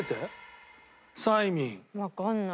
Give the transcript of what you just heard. わかんない。